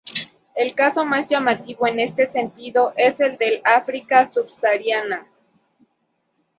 El caso más llamativo en este sentido es el del África subsahariana.